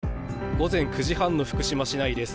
午前９時半の福島市内です。